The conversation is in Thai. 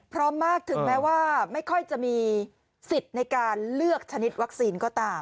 มากถึงแม้ว่าไม่ค่อยจะมีสิทธิ์ในการเลือกชนิดวัคซีนก็ตาม